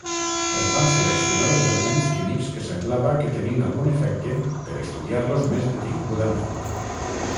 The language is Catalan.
Es van seleccionar els elements químics que semblava que tenien algun efecte per estudiar-los més detingudament.